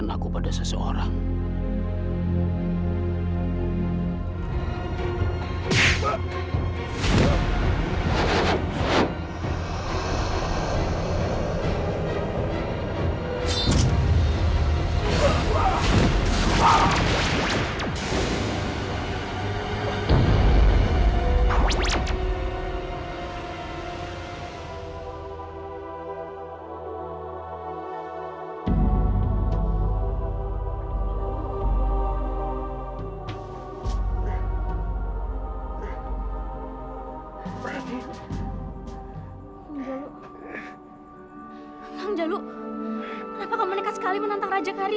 nous covers arti dan fungsi musik ini kami akan sampaikan